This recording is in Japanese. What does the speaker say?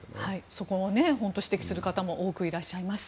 そこを指摘する方も多くいらっしゃいます。